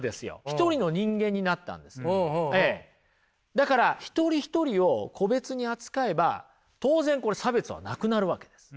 だから一人一人を個別に扱えば当然これ差別はなくなるわけです。